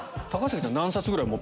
高杉さん。